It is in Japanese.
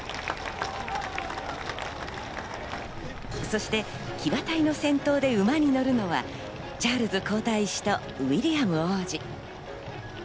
そして騎馬隊の先頭で馬に乗るのがチャールズ皇太子とウィリアム王子。